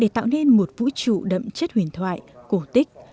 tạo nên một vũ trụ đậm chất huyền thoại cổ tích